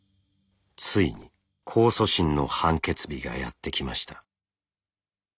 ついに控訴審の判決日がやって来ました。